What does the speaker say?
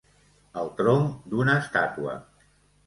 El tronc d'una estàtua